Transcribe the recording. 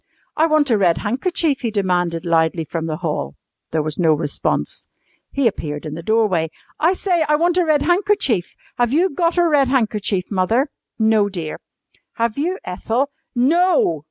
"I want a red handkerchief," he demanded loudly from the hall. There was no response. He appeared in the doorway. "I say, I want a red handkerchief. Have you gotter red handkerchief, Mother?" "No, dear." "Have you Ethel?" "NO!"